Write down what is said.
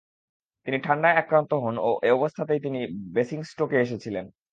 তিনি ঠাণ্ডায় আক্রান্ত হন ও এ অবস্থাতেই তিনি ব্যাসিংস্টোকে এসেছিলেন।